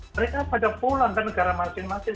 mereka pada pulang ke negara masing masing